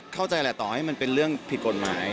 เข้าใจแหละต่อให้มันเป็นเรื่องผิดกฎหมาย